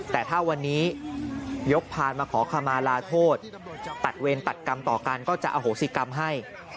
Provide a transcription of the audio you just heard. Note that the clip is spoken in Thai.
แต่ถ้าวันนี้ยกพานมาขอขมาลาโทษตัดเวรตัดกรรมต่อกันก็จะอโหสิกรรมให้